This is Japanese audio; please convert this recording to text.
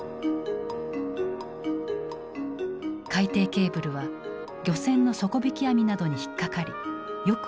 海底ケーブルは漁船の底引き網などに引っ掛かりよく断線する。